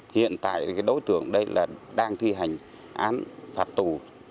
hiện tại cái đối tượng đây là đang thi hành án phạt tù